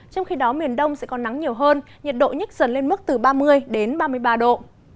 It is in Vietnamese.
trong khi đó miền đông sẽ có nắng nhiều hơn nhiệt độ nhích dần lên mức từ ba mươi ba mươi ba độ